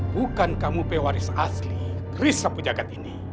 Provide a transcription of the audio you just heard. bukan kamu pewaris asli kerisapu jagad ini